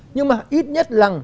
nhưng mà ít nhất là